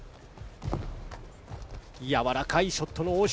やわらかいショットの応酬。